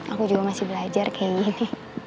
aku juga masih belajar kayak gini